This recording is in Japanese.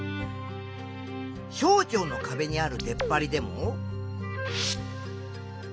小腸のかべにある出っ張りでも。